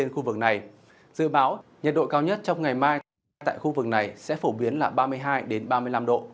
khu vực này dự báo nhiệt độ cao nhất trong ngày mai tại khu vực này sẽ phổ biến là ba mươi hai ba mươi năm độ